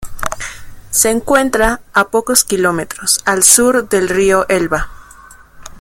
Se encuentra a pocos kilómetros al sur del río Elba.